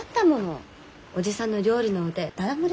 おじさんの料理の腕だだ漏れですよ。